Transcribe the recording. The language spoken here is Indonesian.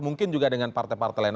mungkin juga dengan partai partai lain